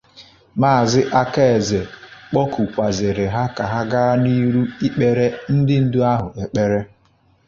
Maazị Akaeze kpọkukwazịrị ha ka ha gaa n'ihu ikpere ndị ndu ahụ ekpere